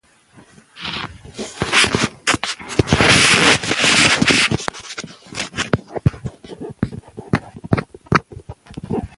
زده کوونکي همدا اوس په ټولګي کې خپل درسونه لولي.